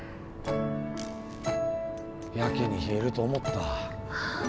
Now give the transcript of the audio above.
やけに冷えると思った。